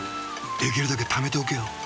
できるだけためておけよ。